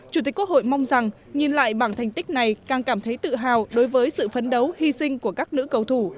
chủ tịch quốc hội mong rằng nhìn lại bảng thành tích này càng cảm thấy tự hào đối với sự phấn đấu hy sinh của các nữ cầu thủ